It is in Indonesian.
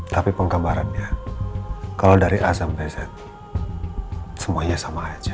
tapi pengkabarannya kalau dari a sampai z semuanya sama aja